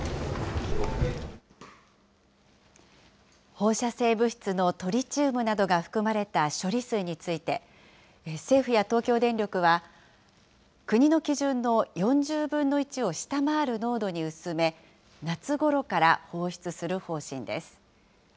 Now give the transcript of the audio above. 放射性物質のトリチウムなどが含まれた処理水について、政府や東京電力は、国の基準の４０分の１を下回る濃度に薄め、夏ごろから放出する方針です。